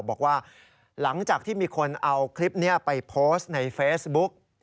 บอกว่าหลังจากที่มีคนเอาคลิปนี้ไปโพสต์ในเฟซบุ๊ก